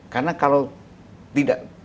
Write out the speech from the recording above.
karena kalau tidak